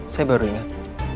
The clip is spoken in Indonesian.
saya baru ingat